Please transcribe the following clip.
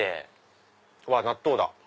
うわっ納豆だ。